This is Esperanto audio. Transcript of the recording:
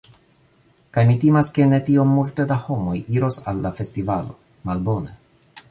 Kaj mi timas ke ne tiom multe da homoj iros al la festivalo. Malbone!